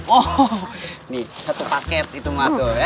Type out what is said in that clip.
oh ini satu paket itu maka ya